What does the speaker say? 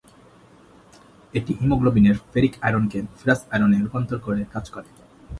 এটি হিমোগ্লোবিনের ফেরিক আয়রনকে ফেরাস আয়রনে রূপান্তর করে কাজ করে।